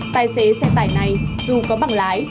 tài xế xe tải này dù có bằng lái